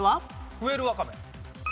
ふえるわかめ。